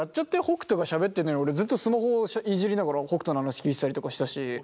北斗がしゃべってんのに俺ずっとスマホいじりながら北斗の話聞いてたりとかしたし。